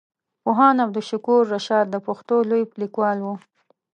پوهاند عبدالشکور رشاد د پښتو لوی ليکوال وو.